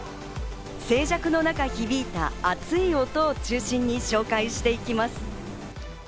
静寂の中、響いた熱い音を中心に紹介していきます。